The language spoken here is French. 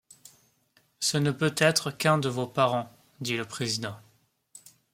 Ce ne peut être qu’un de vos parents, dit le président.